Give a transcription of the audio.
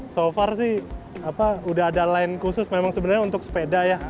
so far sih apa sudah ada lain khusus memang sebenarnya untuk sepeda ya